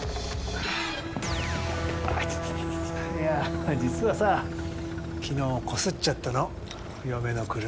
いや実はさ昨日こすっちゃったの嫁の車。